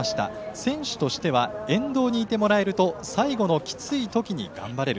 選手としては沿道にいてもらえると最後のきつい時に頑張れる。